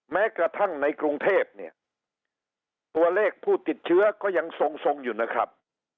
แม้กระทั่งในกรุงเทพเนี่ยตัวเลขผู้ติดเชื้อก็ยังทรงอยู่นะครับ